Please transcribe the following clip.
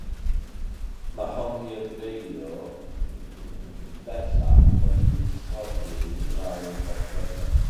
Mae'r hongiwr dérailleur bellach wedi disodli'r rhain i bob pwrpas.